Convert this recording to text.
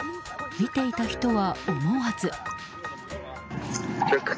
見ていた人は、思わず。